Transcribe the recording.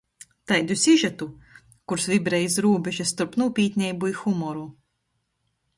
Taidu sižetu. Kurs vibrej iz rūbeža storp nūpītneibu i humoru.